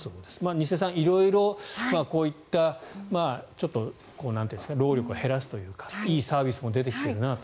西出さん、色々こういったちょっと労力を減らすというかいいサービスも出てきているなと。